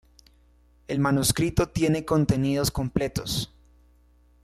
El manuscrito tiene contenidos completos.